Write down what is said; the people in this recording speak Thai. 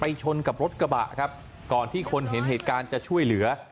ชนกับรถกระบะครับก่อนที่คนเห็นเหตุการณ์จะช่วยเหลือ